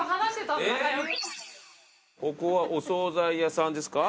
ここはお総菜屋さんですか？